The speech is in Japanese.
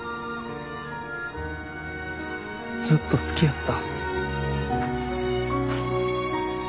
ずっと好きやった。